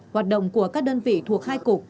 hoạt động của các đơn vị thuộc hai cục